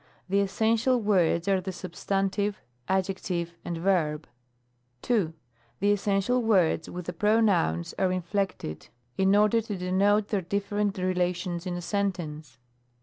The essential words are the substantive, adjective, and verb. 2. The essential words, with the pronouns, are in flected, in order to denote their different relations in a sentence.